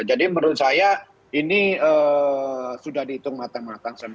jadi menurut saya ini sudah dihitung matang matang